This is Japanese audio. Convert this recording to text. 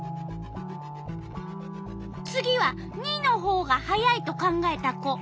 次は②のほうが速いと考えた子。